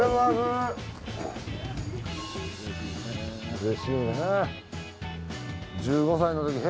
うれしいね。